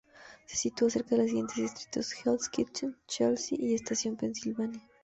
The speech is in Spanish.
Se sitúa cerca de los siguientes distritos: Hell's Kitchen, Chelsea y Estación Pensilvania.